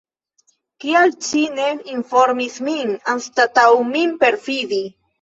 Kial ci ne informis min, anstataŭ min perfidi?